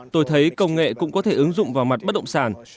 tôi thấy công nghệ cũng có thể ứng dụng vào mặt bất động sản